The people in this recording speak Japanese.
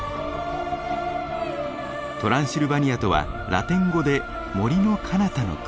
トランシルバニアとはラテン語で「森のかなたの国」。